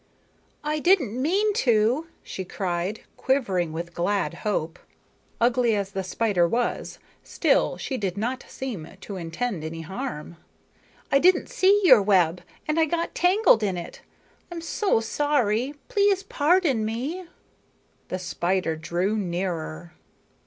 "I didn't mean to," she cried, quivering with glad hope. Ugly as the spider was, still she did not seem to intend any harm. "I didn't see your web and I got tangled in it. I'm so sorry. Please pardon me." The spider drew nearer.